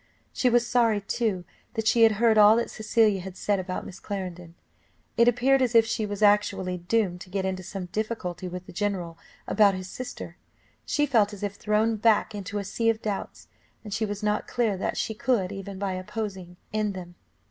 She was sorry, too, that she had heard all that Cecilia had said about Miss Clarendon; it appeared as if she was actually doomed to get into some difficulty with the general about his sister; she felt as if thrown back into a sea of doubts, and she was not clear that she could, even by opposing, end them.